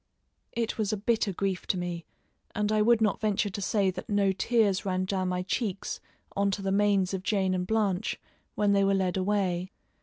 It was a bitter grief to me, and I would not venture to say that no tears ran down my cheeks on to the manes of Jane and Blanche when they were led away.